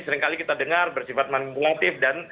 seringkali kita dengar bersifat manimulatif dan